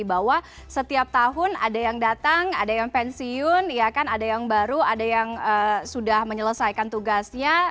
bahwa setiap tahun ada yang datang ada yang pensiun ada yang baru ada yang sudah menyelesaikan tugasnya